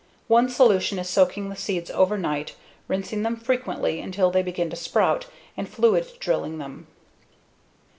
One solution is soaking the seeds overnight, rinsing them frequently until they begin to sprout, and fluid drilling them.